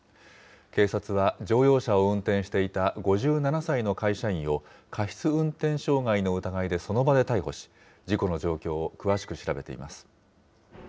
警察は、乗用車を運転していた５７歳の会社員を、過失運転傷害の疑いで、その場で逮捕し、事故の状況を詳しく調べています。